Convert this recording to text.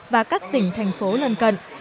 và các tỉnh tp lân cận